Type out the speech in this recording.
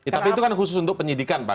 tapi itu kan khusus untuk penyidikan pak